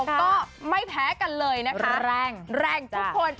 ก็ไม่แพ้กันเลยนะคะแรงแรงทุกคน